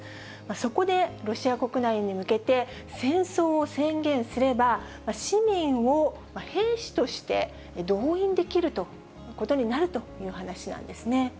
そこでロシア国内に向けて、戦争を宣言すれば、市民を兵士として動員できることになるという話なんですね。